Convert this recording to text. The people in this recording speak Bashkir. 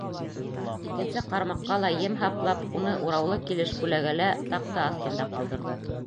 Икенсе ҡармаҡҡа ла ем һаплап, уны ураулы килеш күләгәлә, таҡта аҫтында ҡалдырҙы.